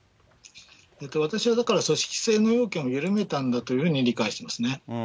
私はだから、組織性の要件を緩めたんだというふうに理解してますね。